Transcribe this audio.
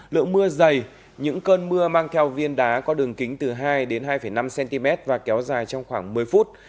lượng mưa dày những cơn mưa mang theo viên đá có đường kính từ hai đến hai năm cm và kéo dài trong khoảng một mươi phút